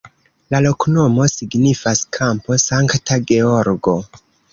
La loknomo signifas: kampo Sankta Georgo.